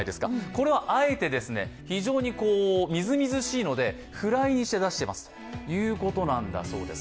これをあえて、非常にみずみずしいので、フライにして出していますということなんだそうです。